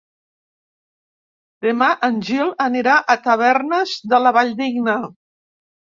Demà en Gil anirà a Tavernes de la Valldigna.